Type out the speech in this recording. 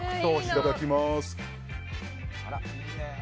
いただきます。